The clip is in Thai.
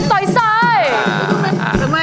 โดยเชียร์มวยไทยรัฐมาแล้ว